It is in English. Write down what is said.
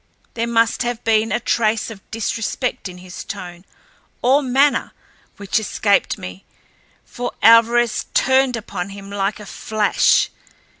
There must have been a trace of disrespect in his tone or manner which escaped me, for Alvarez turned upon him like a flash.